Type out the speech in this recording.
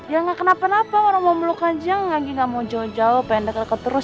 ya gak kenapa kenapa orang mau meluk aja lagi gak mau jauh jauh pengen deket deket terus